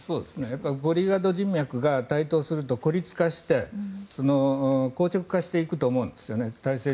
ボディーガード人脈が台頭すると、孤立化して硬直化していくと思うんですね。